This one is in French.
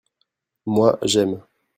moi, j'aime.